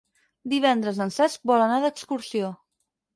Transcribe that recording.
Divendres en Cesc vol anar d'excursió.